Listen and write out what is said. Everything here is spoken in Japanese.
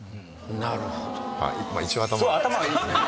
なるほど。